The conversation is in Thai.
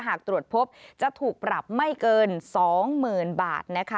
หากตรวจพบจะถูกปรับไม่เกิน๒เมือนบาท